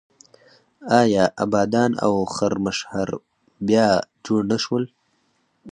آیا ابادان او خرمشهر بیا جوړ نه شول؟